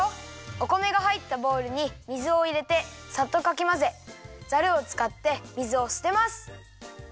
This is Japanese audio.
お米がはいったボウルに水をいれてサッとかきまぜザルをつかって水をすてます。